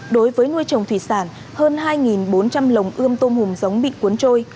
đối với nuôi trồng thủy sản hơn hai bốn trăm linh lồng ươm tôm hùm giống bị cuốn trôi